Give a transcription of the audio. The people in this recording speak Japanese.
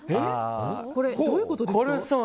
どういうことですか。